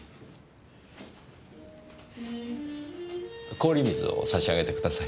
氷水を差し上げてください。